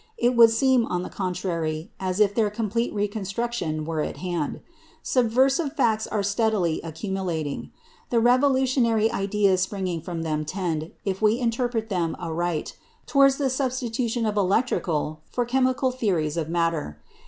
It would seem, on the contrary, as if their complete reconstruction were at hand. Subversive facts are steadily accumulating; the revolutionary ideas springing from them tend, if we interpret them aright, towards the substitution of electrical for chemical theories of matter.